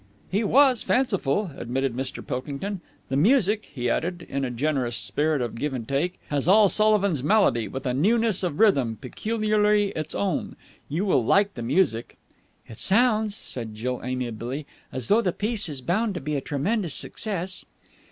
"He was fanciful," admitted Mr. Pilkington. "The music," he added, in a generous spirit of give and take, "has all Sullivan's melody with a newness of rhythm peculiarly its own. You will like the music." "It sounds," said Jill amiably, "as though the piece is bound to be a tremendous success."